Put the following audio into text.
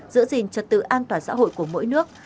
giữ gìn trật tự an toàn xã hội của mỗi nước